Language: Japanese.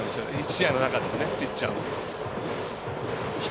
１試合の中で、ピッチャーも。